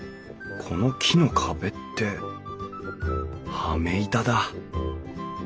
この木の壁って羽目板だ。